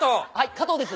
加藤です。